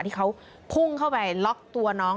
ที่เขาพุ่งเข้าไปล็อกตัวน้อง